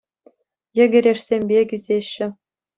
Йӗкӗрешсем пек ӳсеҫҫӗ.